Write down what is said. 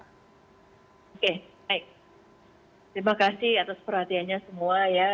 oke baik terima kasih atas perhatiannya semua ya